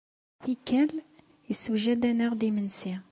Tikkal, yessewjad-aneɣ-d imensi.